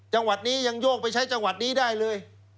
จังหวัดนี้ยังโยกไปใช้จังหวัดนี้ได้เลย